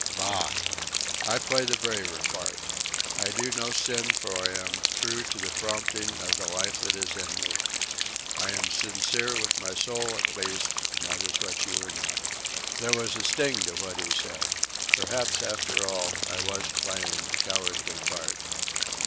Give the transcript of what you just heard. Bah! I play the braver part. I do no sin, for I am true to the promptings of the life that is in me. I am sincere with my soul at least, and that is what you are not." There was a sting in what he said. Perhaps, after all, I was playing a cowardly part.